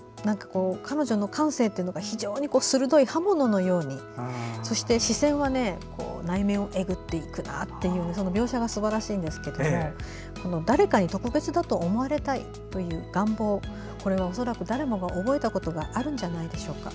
彼女の感性が非常に鋭い刃物のようにそして視線は内面をえぐっていくなという描写がすばらしいんですけども誰かに特別だと思われたいという願望これは恐らく誰もが覚えたことがあるんじゃないでしょうか。